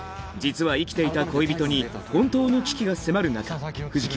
実は生きていた恋人に本当の危機が迫る中藤